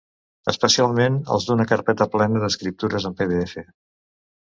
Especialment els d'una carpeta plena d'escriptures en pdf.